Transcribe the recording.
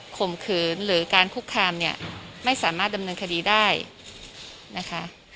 ข่มขืนหรือการคุกคามเนี่ยไม่สามารถดำเนินคดีได้นะคะ